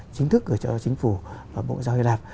chính thức gửi cho chính phủ và bộ ngoại giao hy lạp